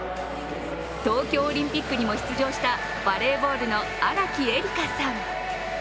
東京オリンピックにも出場したバレーボールの荒木絵里香さん。